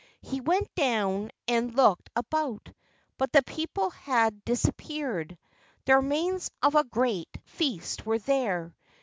He went down and looked about, but the people had disappeared. The remains of a great feast were there.